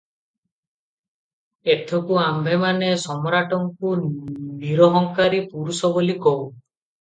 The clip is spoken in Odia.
ଏଥକୁ ଆମ୍ଭେମାନେ ସମ୍ରାଟଙ୍କୁ ନିରହଙ୍କାରି ପୁରୁଷ ବୋଲି କହୁ ।